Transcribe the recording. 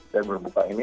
saya belum buka ini